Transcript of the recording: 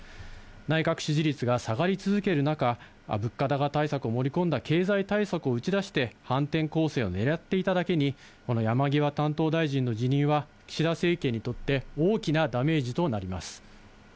内閣支持率が下がり続ける中、物価高対策を盛り込んだ経済対策を打ち出して、反転攻勢をねらっていただけに、この山際担当大臣の辞任は、岸田政権にとって大きなダメージとなります。